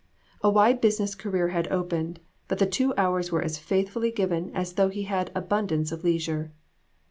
A wide business career had opened, but the two hours were as faithfully given as though he had abundance of leisure.